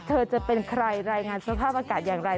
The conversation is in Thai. จะเป็นใครรายงานสภาพอากาศอย่างไร